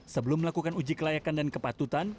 sebelum melakukan uji kelayakan dan kepatutan